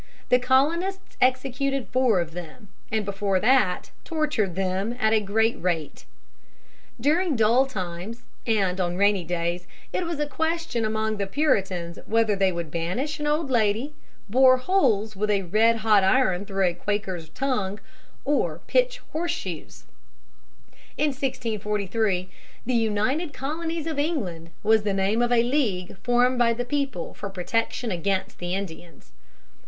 The colonists executed four of them, and before that tortured them at a great rate. During dull times and on rainy days it was a question among the Puritans whether they would banish an old lady, bore holes with a red hot iron through a Quaker's tongue, or pitch horse shoes. In 1643 the "United Colonies of New England" was the name of a league formed by the people for protection against the Indians.